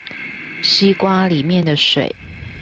西瓜裡面的水